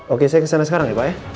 oke saya kesana sekarang ya pak ya